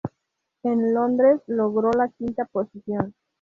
En Londres logró la quinta posición.